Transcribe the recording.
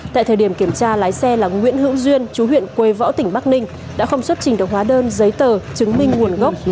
tại thời điểm kiểm tra lái xe là nguyễn hữu duyên chú huyện quế võ tỉnh bắc ninh đã không xuất trình được hóa đơn giấy tờ chứng minh nguồn gốc